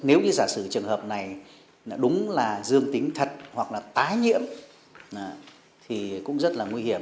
nếu như giả sử trường hợp này đúng là dương tính thật hoặc là tái nhiễm thì cũng rất là nguy hiểm